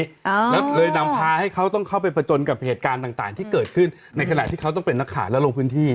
แล้วเลยนำพาให้เขาต้องเข้าไปผจญกับเหตุการณ์ต่างต่างที่เกิดขึ้นในขณะที่เขาต้องเป็นนักข่าวแล้วลงพื้นที่